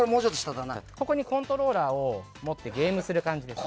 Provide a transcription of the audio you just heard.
コントローラーを持ってゲームする感じです。